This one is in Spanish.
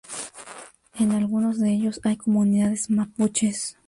En algunos de ellos hay comunidades mapuches.